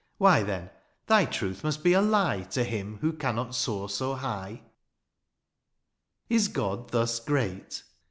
'^ Why then, thy truth must be a lie '^To him who cannot soar so high. ^^ Is God thus great